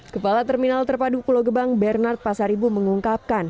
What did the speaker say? kepala terminal terpadu pulau gebang bernard pasaribu mengungkapkan